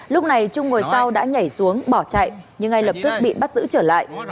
lúc này trung ngồi sau đã nhảy xuống bỏ chạy nhưng ngay lập tức bị bắt giữ trở lại